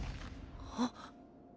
あっ。